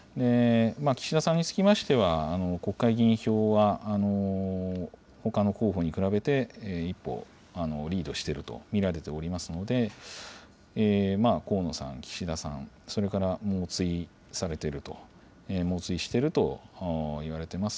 岸田さんにつきましては、国会議員票はほかの候補に比べて、一歩リードしていると見られておりますので、河野さん、岸田さん、それから猛追されていると、猛追しているといわれてます